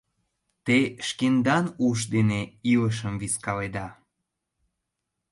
Те шкендан уш дене илышым вискаледа.